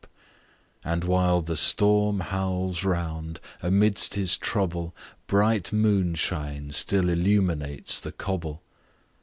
Page 59 And while the storm howls round, amidst his trouble, Bright moonshine still illuminates the cobble.